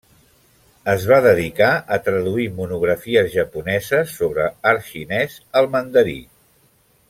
Es va dedicar a traduir monografies japoneses sobre art xinès al mandarí.